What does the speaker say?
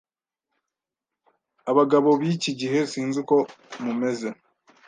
Abagabo b’iki gihe sinzi uko mumeze,